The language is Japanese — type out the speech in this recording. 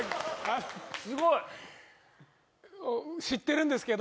すごい！